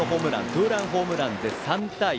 ツーランホームランで３対１。